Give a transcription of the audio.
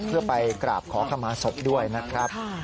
เพื่อไปกราบขอขมาศพด้วยนะครับ